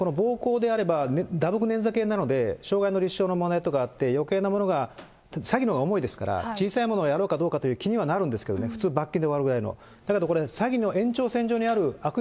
確かに暴行であれば、打撲、捻挫系なので、傷害の立証の問題とかあって、よけいなものが詐欺のほうが重いですから、小さいものをやろうかどうかという気にはなるんですけどね、普通、罰金で終わるぐらいの。